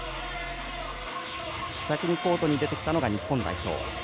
先にコートに出てきたのが日本代表。